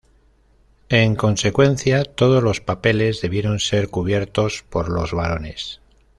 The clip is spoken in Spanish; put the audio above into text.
En consecuencia, todos los papeles debieron ser cubiertos por los varones.